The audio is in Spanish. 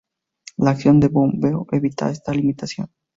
La acción de bombeo evita esta limitación.